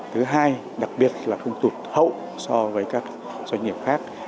thứ hai đặc biệt là không tụt hậu so với các doanh nghiệp khác